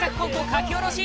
書き下ろし